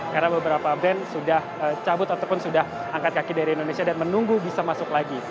karena beberapa brand sudah cabut ataupun sudah angkat kaki dari indonesia dan menunggu bisa masuk lagi